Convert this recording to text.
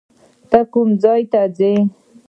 ته کوم ځای ته ځې؟